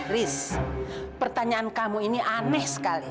riz pertanyaan kamu ini aneh sekali